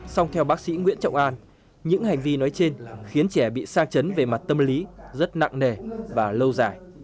xong theo bác sĩ nguyễn trọng an những hành vi nói trên khiến trẻ bị sa chấn về mặt tâm lý rất nặng nề và lâu dài